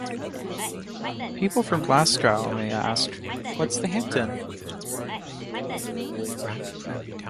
People from Glasgow may ask, What's the Hampden?